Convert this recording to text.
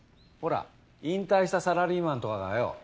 ほら引退したサラリーマンとかがよ